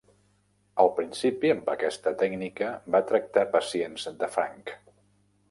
Al principi amb aquesta tècnica va tractar pacients de franc.